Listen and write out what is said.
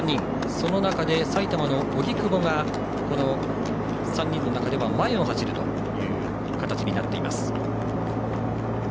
その中で埼玉の荻久保が３人の中では前を走る形になっています。